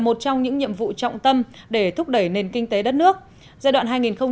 một trong những nhiệm vụ trọng tâm để thúc đẩy nền kinh tế đất nước giai đoạn hai nghìn một mươi sáu hai nghìn hai mươi năm